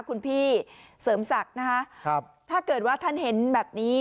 คุณพี่เสริมศักดิ์นะคะถ้าเกิดว่าท่านเห็นแบบนี้